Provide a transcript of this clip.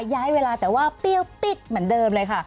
ย้ายเวลาแต่ว่าเปรี้ยวปิดเหมือนเดิมเลยค่ะ